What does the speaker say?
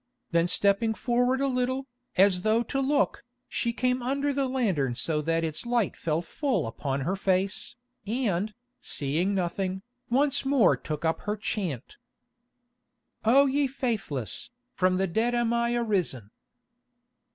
Then stepping forward a little, as though to look, she came under the lantern so that its light fell full upon her face, and, seeing nothing, once more took up her chant: "Oh ye faithless, from the dead am I arisen."